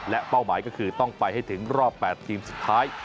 และเป้าหมายก็คือต้องไปให้ถึงรอบ๘ทีมสุดท้าย